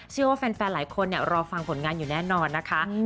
คิดว่าแฟนหลายคนโชควลงานอยู่นะคะ